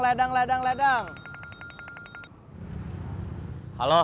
ledang ledang ledang ledang